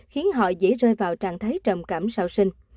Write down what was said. khiến họ dễ rơi vào trạng thái trầm cảm sau sinh